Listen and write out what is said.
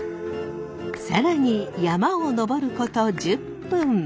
更に山を登ること１０分。